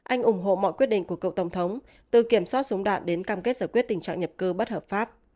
anh ủng hộ mọi quyết định của cựu tổng thống từ kiểm soát súng đạn đến cam kết giải quyết tình trạng nhập cư bất hợp pháp